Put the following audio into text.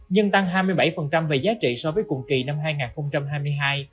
nhưng tăng hai mươi bảy về giá trị so với cùng kỳ năm hai nghìn hai mươi hai